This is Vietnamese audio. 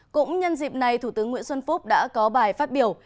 cũng nhân dịp này thủ tướng nguyễn xuân phúc đã có bài phát biểu